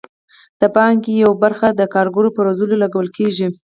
د پانګې یوه برخه د کارګرو په روزلو لګول کیږي.